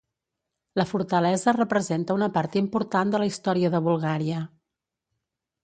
La fortalesa representa una part important de la història de Bulgària.